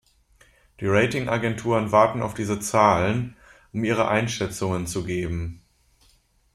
Die Rating-Agenturen warten auf diese Zahlen, um ihre Einschätzungen zu geben.